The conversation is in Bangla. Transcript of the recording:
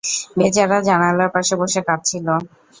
বেচারা জানালার পাশে বসে কাদঁছিল।